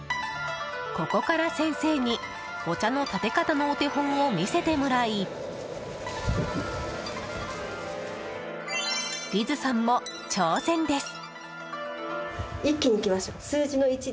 ここから先生にお茶のたて方のお手本を見せてもらいリズさんも挑戦です。